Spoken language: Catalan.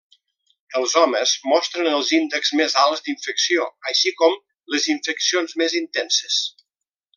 Els homes mostren els índexs més alts d'infecció, així com les infeccions més intenses.